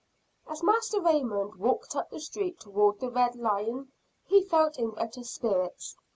As Master Raymond walked up the street toward the Red Lion, he felt in better spirits.